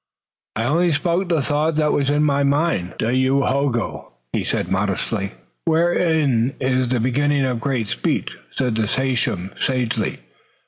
"I only spoke the thought that was in my mind, Dayohogo," he said modestly. "Wherein is the beginning of great speech," said the sachem sagely.